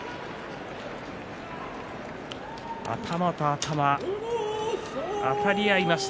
頭と頭、あたり合いました。